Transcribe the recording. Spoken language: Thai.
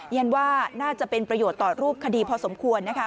ยันว่าน่าจะเป็นประโยชน์ต่อรูปคดีพอสมควรนะคะ